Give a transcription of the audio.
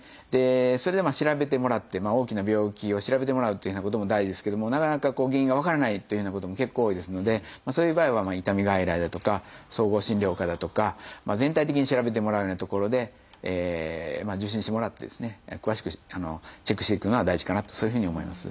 それで調べてもらって大きな病気を調べてもらうっていうようなことも大事ですけどもなかなか原因が分からないというようなことも結構多いですのでそういう場合は痛み外来だとか総合診療科だとか全体的に調べてもらえるような所で受診してもらってですね詳しくチェックしていくのが大事かなとそういうふうに思います。